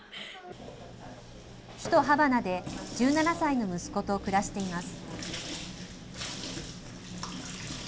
首都ハバナで１７歳の息子と暮らしています。